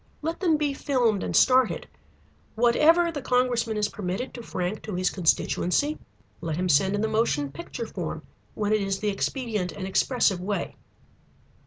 Let them be filmed and started. Whatever the congressman is permitted to frank to his constituency, let him send in the motion picture form when it is the expedient and expressive way.